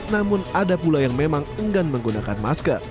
namun ada pula yang memang enggan menggunakan masker